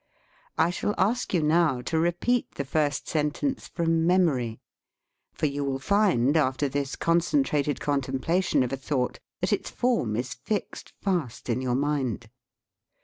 I shall ask you now to repeat the first sentence from memory, for you will find, after this concentrated contemplation of a thought, that its form is fixed fast in your mind.